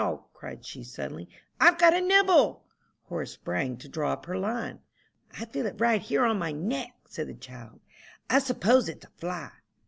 cried she suddenly, "I've got a nibble!" Horace sprang to draw up her line. "I feel it right here on my neck," said the child; "I s'pose it's a fly."